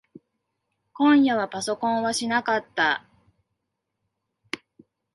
今夜はパソコンはしなかった。